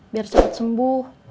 biar cepet sembuh